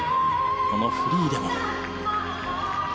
このフリーでも。